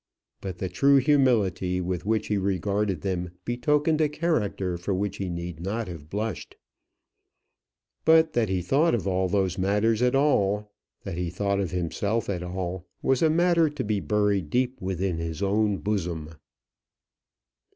But the true humility with which he regarded them betokened a character for which he need not have blushed. But that he thought of those matters at all that he thought of himself at all was a matter to be buried deep within his own bosom.